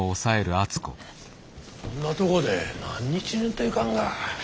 こんなとこで何日寝んといかんが。